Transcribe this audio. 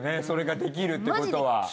それができるってことは。